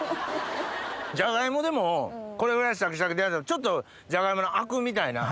ジャガイモでもこれぐらいシャキシャキだとちょっとジャガイモのアクみたいな。